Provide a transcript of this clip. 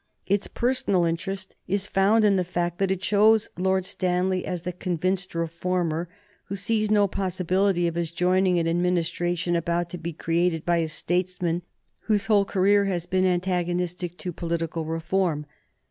Its personal interest is found in the fact that it shows Lord Stanley as the convinced reformer, who sees no possibility of his joining an Administration about to be created by a statesman whose whole career has been antagonistic to political reform.